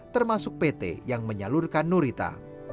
termasuk pt yang menyalurkan nurita